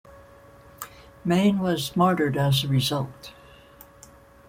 Mayne was martyred as a result.